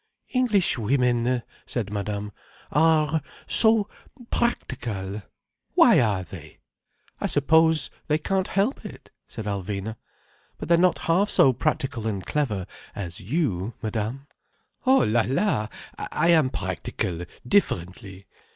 "Englishwomen," said Madame, "are so practical. Why are they?" "I suppose they can't help it," said Alvina. "But they're not half so practical and clever as you, Madame." "Oh la—la! I am practical differently.